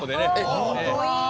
かっこいい。